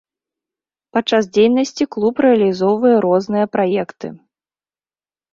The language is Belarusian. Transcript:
Падчас дзейнасці клуб рэалізоўвае розныя праекты.